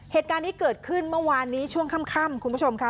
เหตุการณ์นี้เกิดขึ้นเมื่อวานนี้ช่วงค่ำคุณผู้ชมค่ะ